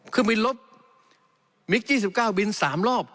เครื่องบินรถมิกซ์๒๙บิน๓รอบ